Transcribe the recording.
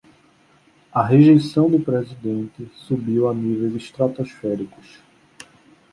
A rejeição do presidente subiu a níveis estratosféricos